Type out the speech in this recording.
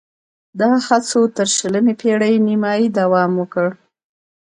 دا هڅو تر شلمې پېړۍ نیمايي دوام وکړ